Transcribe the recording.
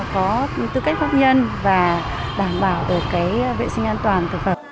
có tư cách pháp nhân và đảm bảo được vệ sinh an toàn